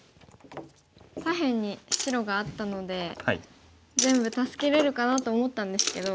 左辺に白があったので全部助けれるかなと思ったんですけど。